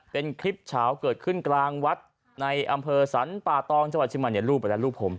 เป็นคลิปเฉาเกิดขึ้นกลางวัดในอำเภอศรันตร์ป่าตองเจ้าอาชิมัณย์เนี่ยรูปไปแล้วรูปผม